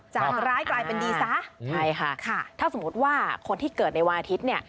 จากร้ายกลายเป็นดีซะใช่ค่ะถ้าสมมุติว่าคนที่เกิดในวันอาทิตย์เนี่ย